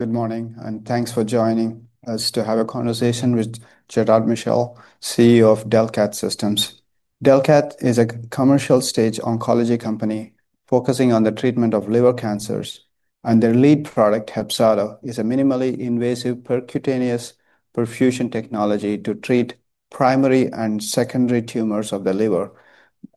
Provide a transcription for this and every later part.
Good morning, and thanks for joining us to have a conversation with Gerard Michel, CEO of Delcath Systems. Delcath is a commercial-stage oncology company focusing on the treatment of liver cancers, and their lead product, HEPZATO KIT, is a minimally invasive percutaneous perfusion technology to treat primary and secondary tumors of the liver.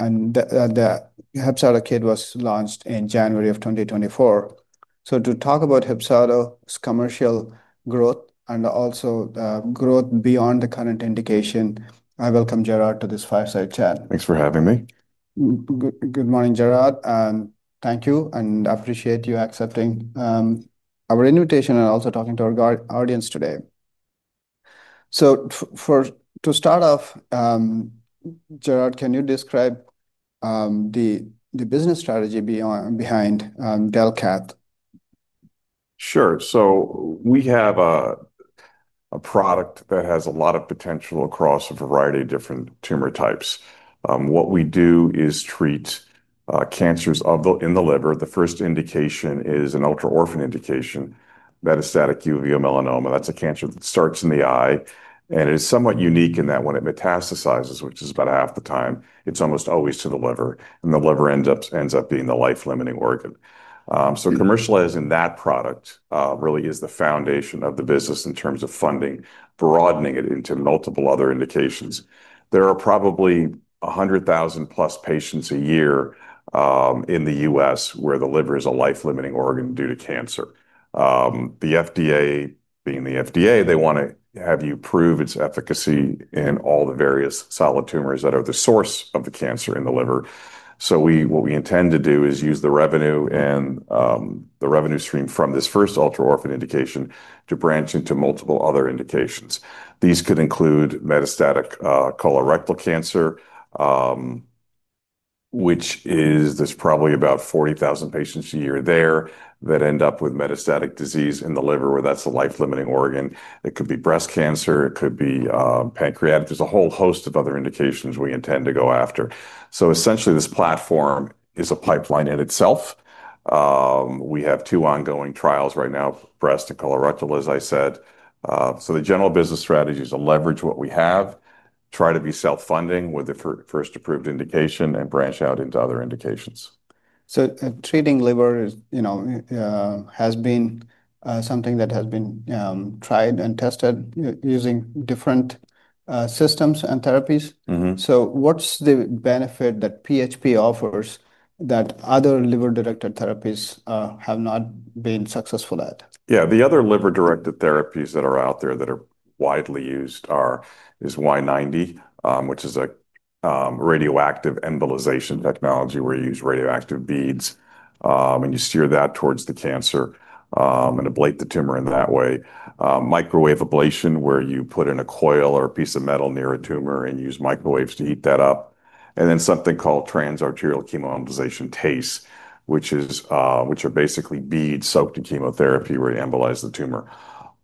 The HEPZATO KIT was launched in January of 2024. To talk about HEPZATO KIT's commercial growth and also the growth beyond the current indication, I welcome Gerard to this fireside chat. Thanks for having me. Good morning, Gerard, and thank you, and I appreciate you accepting our invitation and also talking to our audience today. To start off, Gerard, can you describe the business strategy behind Delcath? Sure. We have a product that has a lot of potential across a variety of different tumor types. What we do is treat cancers in the liver. The first indication is an ultra-orphan indication, metastatic uveal melanoma. That's a cancer that starts in the eye, and it is somewhat unique in that when it metastasizes, which is about half the time, it's almost always to the liver, and the liver ends up being the life-limiting organ. Commercializing that product really is the foundation of the business in terms of funding, broadening it into multiple other indications. There are probably 100,000 plus patients a year in the U.S. where the liver is a life-limiting organ due to cancer. The FDA, being the FDA, they want to have you prove its efficacy in all the various solid tumors that are the source of the cancer in the liver. What we intend to do is use the revenue and the revenue stream from this first ultra-orphan indication to branch into multiple other indications. These could include metastatic colorectal cancer, which is there's probably about 40,000 patients a year there that end up with metastatic disease in the liver, where that's a life-limiting organ. It could be breast cancer, it could be pancreatic. There's a whole host of other indications we intend to go after. Essentially, this platform is a pipeline in itself. We have two ongoing trials right now, breast and colorectal, as I said. The general business strategy is to leverage what we have, try to be self-funding with the first approved indication, and branch out into other indications. Treating liver has been something that has been tried and tested using different systems and therapies. What's the benefit that PHP offers that other liver-directed therapies have not been successful at? Yeah, the other liver-directed therapies that are out there that are widely used are Y-90, which is a radioactive embolization technology where you use radioactive beads and you steer that towards the cancer and ablate the tumor in that way. Microwave ablation, where you put in a coil or a piece of metal near a tumor and use microwaves to heat that up. Then something called transarterial chemoembolization, TACE, which are basically beads soaked in chemotherapy where you embolize the tumor.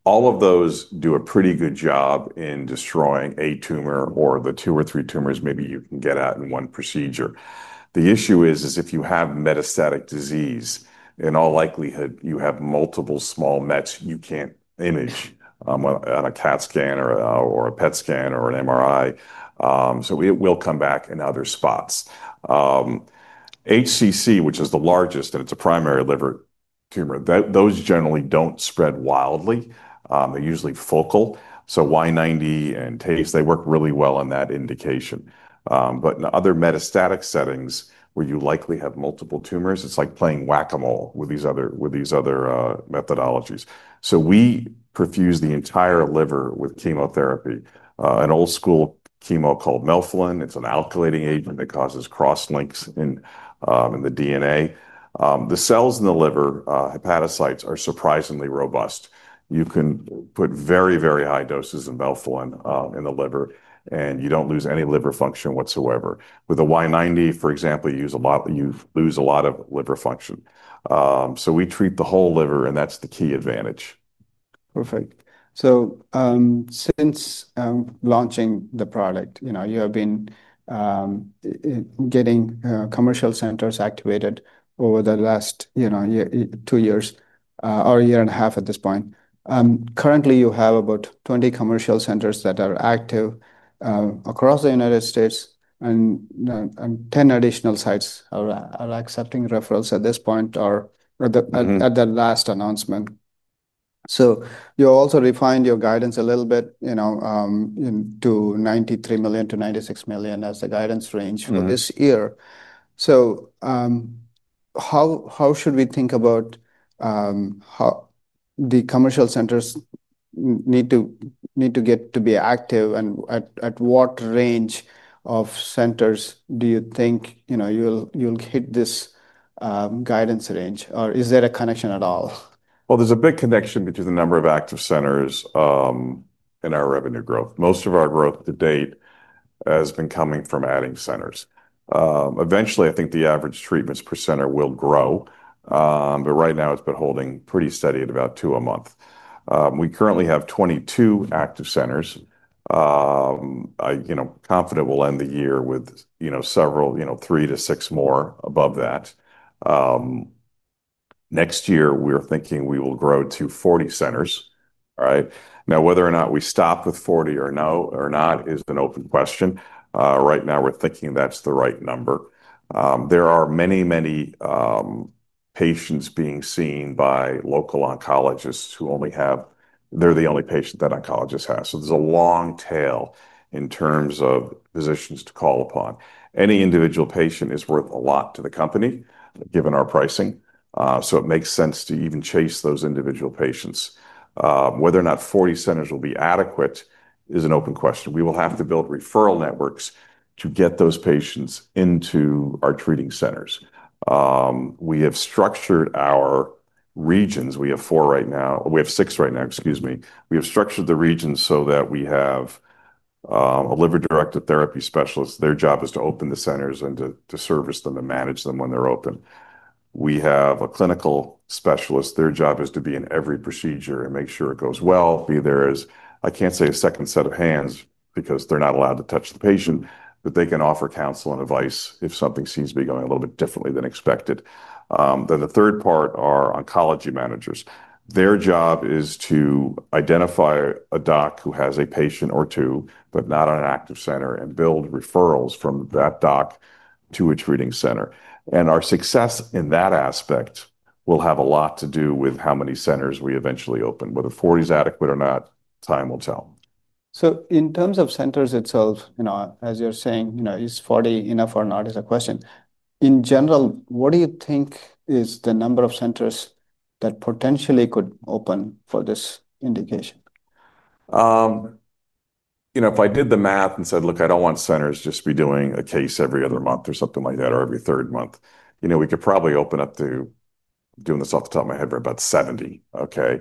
All of those do a pretty good job in destroying a tumor or the two or three tumors maybe you can get out in one procedure. The issue is, if you have metastatic disease, in all likelihood, you have multiple small metastases you can't image on a CAT scan or a PET scan or an MRI. It will come back in other spots. HCC, which is the largest, and it's a primary liver tumor, those generally don't spread wildly. They're usually focal. Y-90 and TACE work really well in that indication. In other metastatic settings where you likely have multiple tumors, it's like playing whack-a-mole with these other methodologies. We perfuse the entire liver with chemotherapy, an old school chemo called melphalan. It's an alkylating agent that causes cross-links in the DNA. The cells in the liver, hepatocytes, are surprisingly robust. You can put very, very high doses of melphalan in the liver, and you don't lose any liver function whatsoever. With a Y-90, for example, you lose a lot of liver function. We treat the whole liver, and that's the key advantage. Perfect. Since launching the product, you have been getting commercial centers activated over the last two years or a year and a half at this point. Currently, you have about 20 commercial centers that are active across the U.S., and 10 additional sites are accepting referrals at this point or at the last announcement. You also refined your guidance a little bit to $93 million to $96 million as the guidance range for this year. How should we think about how the commercial centers need to get to be active, and at what range of centers do you think you'll hit this guidance range, or is there a connection at all? There's a big connection between the number of active centers and our revenue growth. Most of our growth to date has been coming from adding centers. Eventually, I think the average treatments per center will grow, but right now it's been holding pretty steady at about two a month. We currently have 22 active centers. I'm confident we'll end the year with several, three to six more above that. Next year, we're thinking we will grow to 40 centers. Whether or not we stop with 40 or not is an open question. Right now, we're thinking that's the right number. There are many, many patients being seen by local oncologists who only have, they're the only patient that oncologists have. There's a long tail in terms of physicians to call upon. Any individual patient is worth a lot to the company given our pricing. It makes sense to even chase those individual patients. Whether or not 40 centers will be adequate is an open question. We will have to build referral networks to get those patients into our treating centers. We have structured our regions. We have four right now. We have six right now, excuse me. We have structured the regions so that we have a liver-directed therapy specialist. Their job is to open the centers and to service them and manage them when they're open. We have a clinical specialist. Their job is to be in every procedure and make sure it goes well. There is, I can't say a second set of hands because they're not allowed to touch the patient, but they can offer counsel and advice if something seems to be going a little bit differently than expected. The third part are oncology managers. Their job is to identify a doc who has a patient or two, but not an active center, and build referrals from that doc to a treating center. Our success in that aspect will have a lot to do with how many centers we eventually open. Whether 40 is adequate or not, time will tell. In terms of centers itself, as you're saying, is 40 enough or not is a question. In general, what do you think is the number of centers that potentially could open for this indication? If I did the math and said, look, I don't want centers just to be doing a case every other month or something like that or every third month, you know we could probably open up to, doing this off the top of my head, about 70. Okay.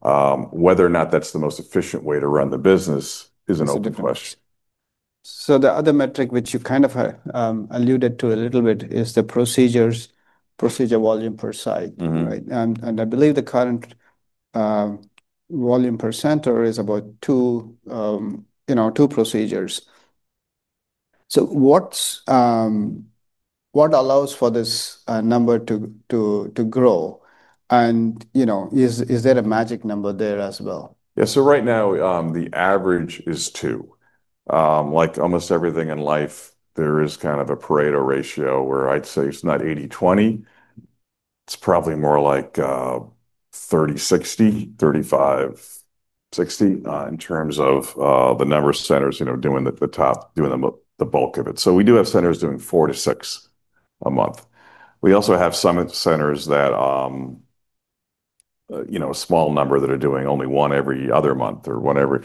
Whether or not that's the most efficient way to run the business is an open question. The other metric which you kind of alluded to a little bit is the procedure volume per site. I believe the current volume per center is about two procedures. What allows for this number to grow? Is there a magic number there as well? Yeah, so right now the average is two. Like almost everything in life, there is kind of a Pareto ratio where I'd say it's not 80-20. It's probably more like 30-60, 35-60 in terms of the number of centers doing the top, doing the bulk of it. We do have centers doing four to six a month. We also have some centers that, you know, a small number that are doing only one every other month or whatever.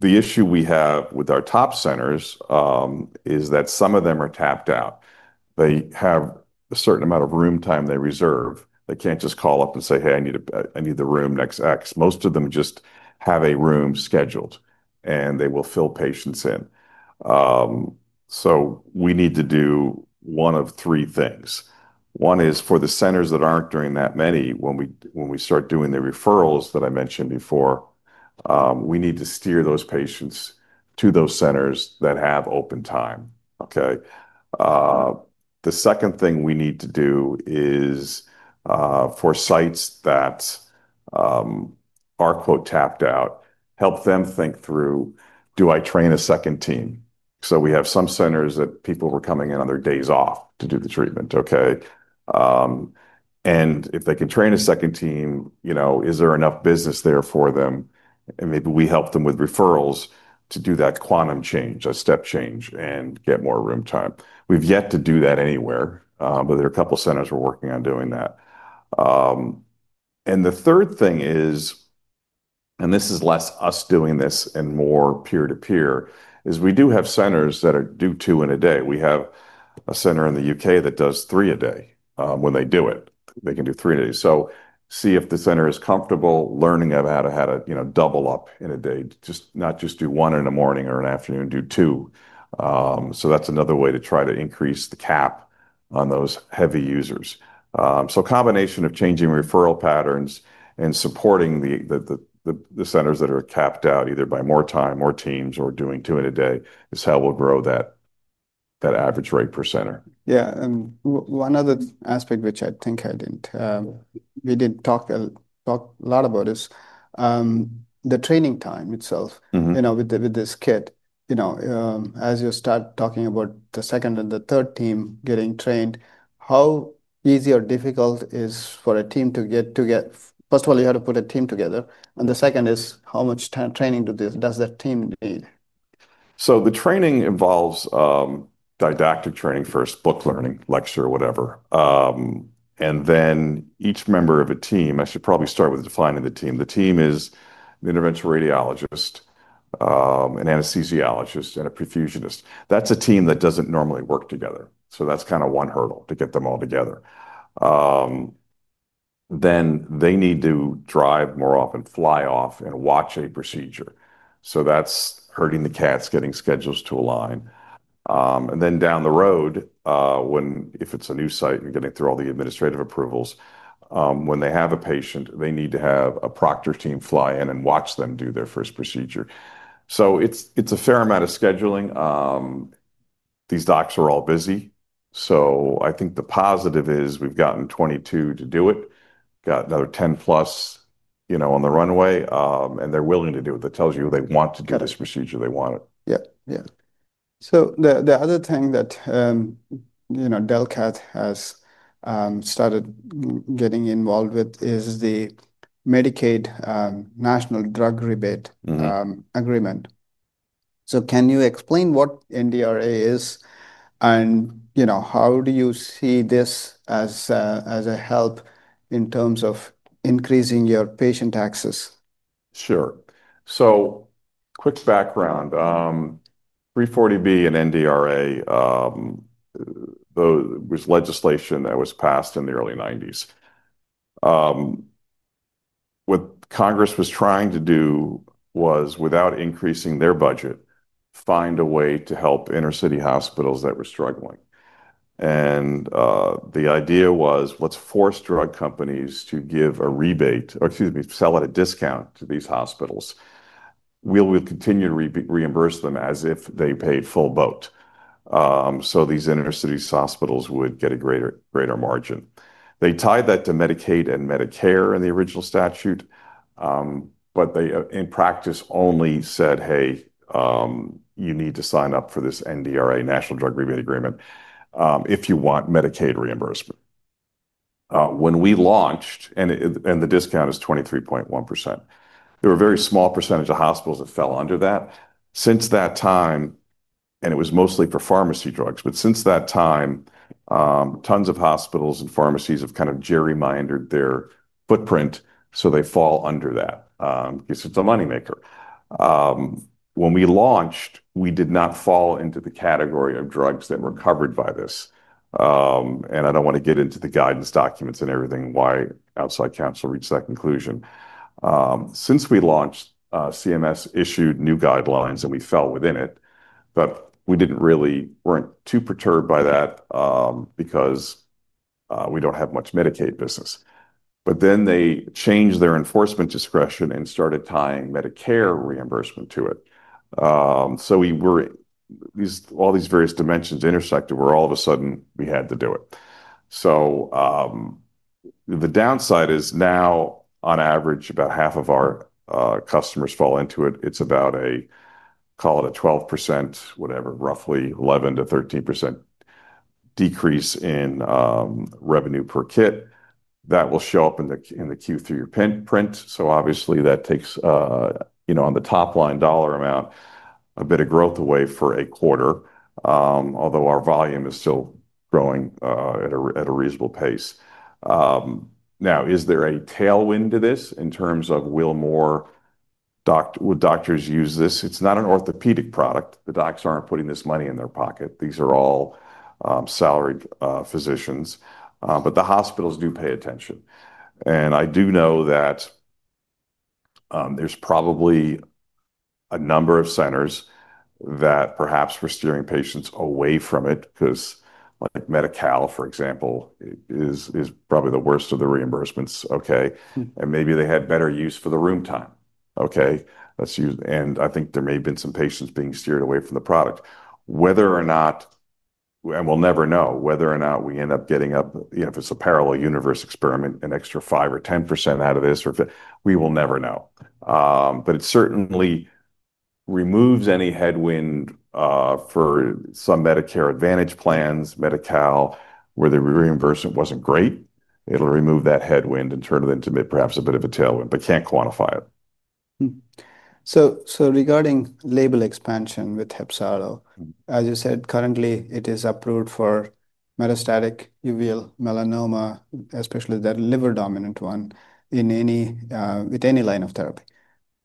The issue we have with our top centers is that some of them are tapped out. They have a certain amount of room time they reserve. They can't just call up and say, hey, I need the room next X. Most of them just have a room scheduled and they will fill patients in. We need to do one of three things. One is for the centers that aren't doing that many, when we start doing the referrals that I mentioned before, we need to steer those patients to those centers that have open time. The second thing we need to do is for sites that are, quote, tapped out, help them think through, do I train a second team? We have some centers that people were coming in on their days off to do the treatment. If they can train a second team, you know, is there enough business there for them? Maybe we help them with referrals to do that quantum change, a step change, and get more room time. We've yet to do that anywhere, but there are a couple of centers we're working on doing that. The third thing is, and this is less us doing this and more peer-to-peer, we do have centers that do two in a day. We have a center in the UK that does three a day when they do it. They can do three a day. See if the center is comfortable learning about how to double up in a day, not just do one in the morning or an afternoon, do two. That's another way to try to increase the cap on those heavy users. A combination of changing referral patterns and supporting the centers that are tapped out either by more time, more teams, or doing two in a day is how we'll grow that average rate per center. Yeah, and one other aspect which I think I didn't talk a lot about is the training time itself, you know, with this kit. As you start talking about the second and the third team getting trained, how easy or difficult is it for a team to get? First of all, you have to put a team together. The second is how much training does that team need? The training involves didactic training first, book learning, lecture, whatever. Each member of a team, I should probably start with defining the team. The team is an Interventional Radiologist, an Anesthesiologist, and a Perfusionist. That's a team that doesn't normally work together. That's kind of one hurdle to get them all together. They need to drive more often, fly off, and watch a procedure. That's herding the cats, getting schedules to align. Down the road, if it's a new site and getting through all the administrative approvals, when they have a patient, they need to have a proctor team fly in and watch them do their first procedure. It's a fair amount of scheduling. These docs are all busy. I think the positive is we've gotten 22 to do it. We've got another 10 plus, you know, on the runway, and they're willing to do it. That tells you they want to do this procedure. They want it. Yeah. The other thing that Delcath has started getting involved with is the Medicaid National Drug Rebate Agreement. Can you explain what NDRA is and how do you see this as a help in terms of increasing your patient access? Sure. Quick background. 340B and NDRA was legislation that was passed in the early 1990s. What Congress was trying to do was, without increasing their budget, find a way to help inner-city hospitals that were struggling. The idea was, let's force drug companies to give a rebate, or excuse me, sell at a discount to these hospitals. We'll continue to reimburse them as if they paid full boat, so these inner-city hospitals would get a greater margin. They tied that to Medicaid and Medicare in the original statute, but in practice only said, hey, you need to sign up for this NDRA, Medicaid National Drug Rebate Agreement, if you want Medicaid reimbursement. When we launched, and the discount is 23.1%, there were a very small percentage of hospitals that fell under that. It was mostly for pharmacy drugs, but since that time, tons of hospitals and pharmacies have kind of gerrymandered their footprint so they fall under that because it's a moneymaker. When we launched, we did not fall into the category of drugs that were covered by this. I don't want to get into the guidance documents and everything, why outside counsel reached that conclusion. Since we launched, Centers for Medicare & Medicaid Services issued new guidelines and we fell within it, but we weren't too perturbed by that because we don't have much Medicaid business. They changed their enforcement discretion and started tying Medicare reimbursement to it. All these various dimensions intersected where all of a sudden we had to do it. The downside is now on average about half of our customers fall into it. It's about a, call it a 12%, whatever, roughly 11% to 13% decrease in revenue per kit. That will show up in the Q3 print. Obviously, that takes, on the top line dollar amount, a bit of growth away for a quarter, although our volume is still growing at a reasonable pace. Is there any tailwind to this in terms of will more doctors use this? It's not an orthopedic product. The docs aren't putting this money in their pocket. These are all salaried physicians, but the hospitals do pay attention. I do know that there's probably a number of centers that perhaps were steering patients away from it because like Medi-Cal, for example, is probably the worst of the reimbursements. Maybe they had better use for the room time. I think there may have been some patients being steered away from the product. Whether or not, and we'll never know, whether or not we end up getting, you know, if it's a parallel universe experiment, an extra 5% or 10% out of this, or if it, we will never know. It certainly removes any headwind for some Medicare Advantage plans, Medicare and Medicaid, where the reimbursement wasn't great. It'll remove that headwind and turn it into perhaps a bit of a tailwind, but can't quantify it. Regarding label expansion with HEPZATO KIT, as you said, currently it is approved for metastatic uveal melanoma, especially that liver-dominant one, with any line of therapy.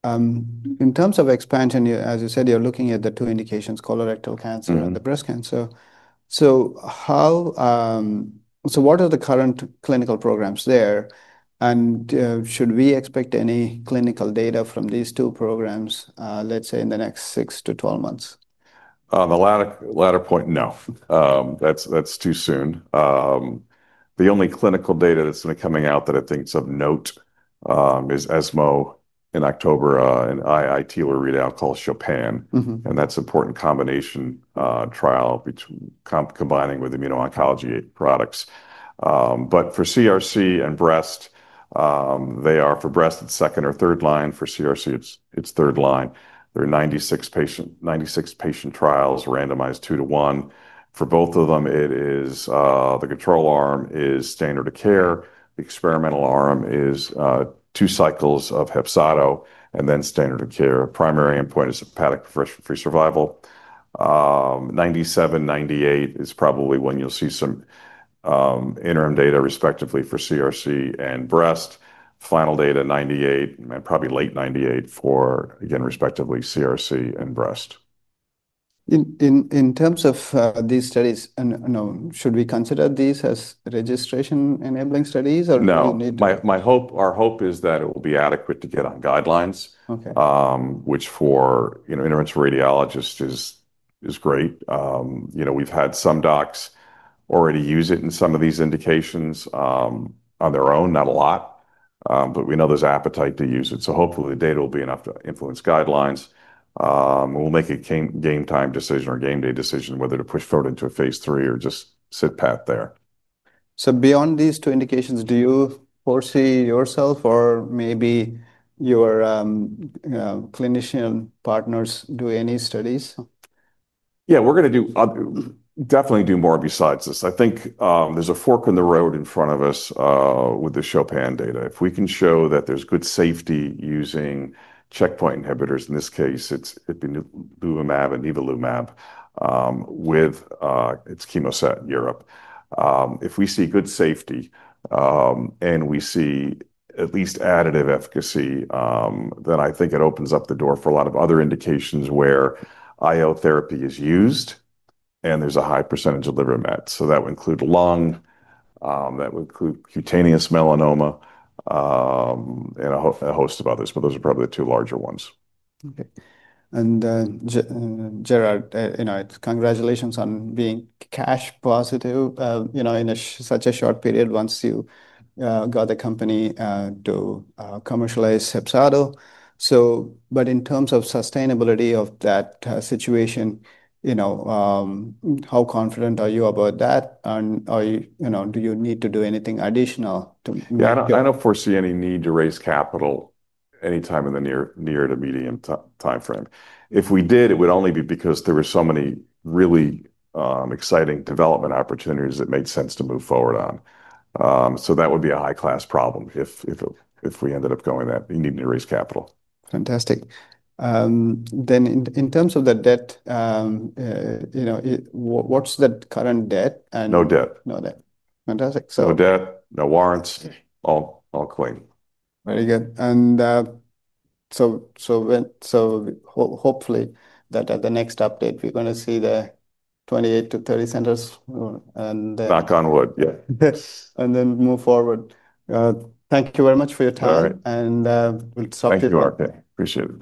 In terms of expansion, as you said, you're looking at the two indications, metastatic colorectal cancer and breast cancer. What are the current clinical programs there? Should we expect any clinical data from these two programs, let's say, in the next 6 to 12 months? A lot of that point, no. That's too soon. The only clinical data that's going to be coming out that I think is of note is ESMO in October, an IIT LaRita out called CHOPIN. That's an important combination trial which is combining with immuno-oncology agents. For CRC and breast, for breast, it's second or third line. For CRC, it's third line. There are 96 patient trials randomized two to one. For both of them, the control arm is standard of care. The experimental arm is two cycles of HEPZATO and then standard of care. Primary endpoint is hepatic free survival. 1997, 1998 is probably when you'll see some interim data, respectively for CRC and breast. Final data, 1998 and probably late 1998 for, again, respectively CRC and breast. In terms of these studies, should we consider these as registration-enabling studies or do we need? No, our hope is that it will be adequate to get on guidelines, which for interventional radiologists is great. We've had some docs already use it in some of these indications on their own, not a lot, but we know there's appetite to use it. Hopefully, the data will be enough to influence guidelines. We'll make a game-time decision or game-day decision whether to push forward into a phase three or just sit pat there. Beyond these two indications, do you foresee yourself or maybe your clinician partners doing any studies? Yeah, we're going to definitely do more besides this. I think there's a fork in the road in front of us with the CHOPIN data. If we can show that there's good safety using checkpoint inhibitors, in this case, it's ipilimumab and nivolumab with its CHEMOSAT in Europe. If we see good safety and we see at least additive efficacy, then I think it opens up the door for a lot of other indications where IO therapy is used and there's a high % of liver metastases. That would include metastatic lung melanoma, that would include metastatic cutaneous melanoma, and a host of others, but those are probably the two larger ones. Okay. Gerard, congratulations on being cash positive in such a short period once you got the company to commercialize HEPZATO KIT. In terms of sustainability of that situation, how confident are you about that? Do you need to do anything additional? Yeah, I don't foresee any need to raise capital anytime in the near to medium timeframe. If we did, it would only be because there were so many really exciting development opportunities that made sense to move forward on. That would be a high-class problem if we ended up going that, you need to raise capital. Fantastic. In terms of the debt, you know, what's the current debt? No debt. No debt. Fantastic. No debt, no warrants, all clean. Very good. Hopefully at the next update, we're going to see the 28 to 30 centers. Knock on wood, yeah. Thank you very much for your time. We'll stop it. Thank you, Art. Appreciate it.